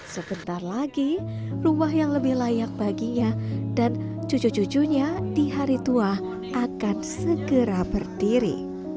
sebentar lagi rumah yang lebih layak baginya dan cucu cucunya di hari tua akan segera berdiri